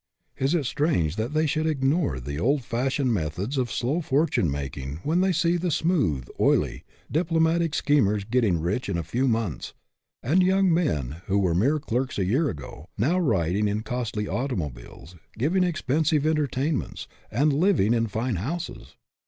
Is it strange that they should ignore the old fashioned methods of slow fortune making when they see the smooth, oily, diplomatic schemers get ting rich in a few months, and young men who were mere clerks a year ago, now rid ing in costly automobiles, giving expensive entertainments, and living in fine houses?